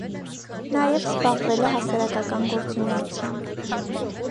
Նաև զբաղվել է հասարակական գործունեությամբ։